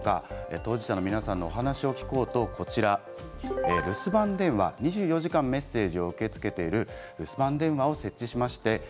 当事者のお話を聞こうと２４時間メッセージを受け付けている留守番電話を設置しました。